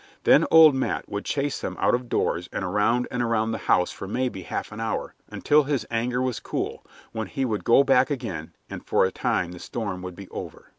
Then old Matt would chase them out of doors and around and around the house for maybe half an hour, until his anger was cool, when he would go back again, and for a time the storm would be over.